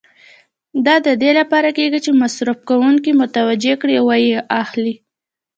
دا د دې لپاره کېږي چې مصرفوونکي متوجه کړي او و یې اخلي.